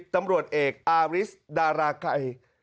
ตำรวจเอกอาริสดาราไก่